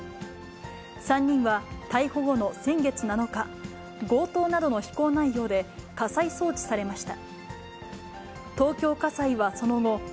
３人は逮捕後の先月７日、強盗などの非行内容で家裁送致されました。